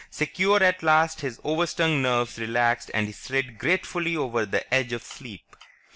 Secure at last, his overstrung nerves relaxed and he slid gratefully over the edge of sleep.